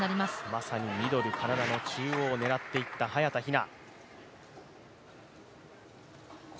まさにミドル、体の中央を狙っていった早田ひな。